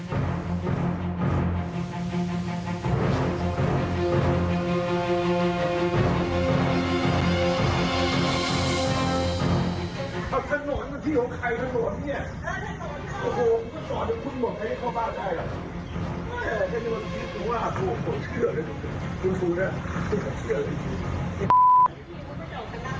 คุณคุณเนี่ยเหลือเชื่อเลย